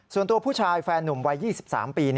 ส่วนตัวผู้ชายแฟนนุ่มวัย๒๓ปี